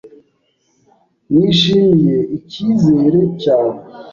Nishimiye ikizere cyawe.